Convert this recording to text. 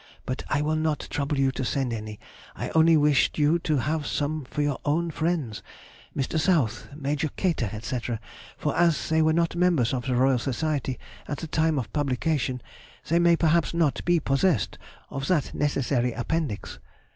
But I will not trouble you to send any; I only wished you to have some for your own friends, Mr. South, Major Kater, &c., for as they were not members of the R. Society at the time of publication, they may perhaps not be possessed of that necessary Appendix.